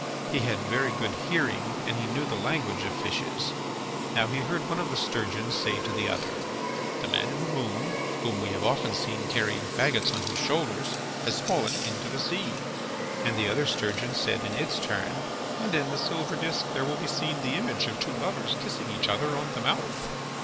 He had very good hearing and he knew the language of fishes. Now he heard one of the sturgeons say to the other: "The man in the moon, whom we have often seen carrying fagots on his shoulders, has fallen into the sea." And the other sturgeon said in its turn: "And in the silver disc there will be seen the image of two lovers kissing each other on the mouth."